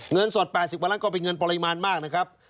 เงินสด๘๐กว่าล้านก็เป็นเงินปริมาณมากนะครับ